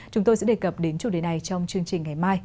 chúng tôi sẽ đề cập đến chủ đề này trong chương trình ngày mai